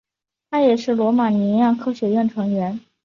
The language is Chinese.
他也是罗马尼亚科学院成员。